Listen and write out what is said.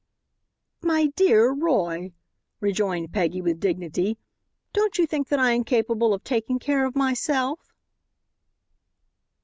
"My dear Roy," rejoined Peggy, with dignity, "don't you think that I am capable of taking care of myself?"